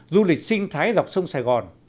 du lịch sinh thái dọc sông sài gòn